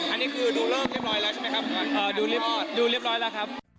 อันนี้คือดูเริกเรียบร้อยแล้วใช่ไหมครับ